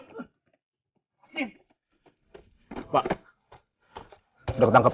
bu sudah ketangkap bu